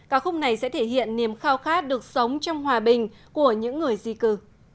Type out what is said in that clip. các khúc này sẽ thể hiện niềm khao khát được sống trong hòa bình của những người di cư